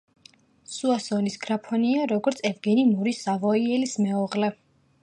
სუასონის გრაფინია როგორც ევგენი მორის სავოიელის მეუღლე.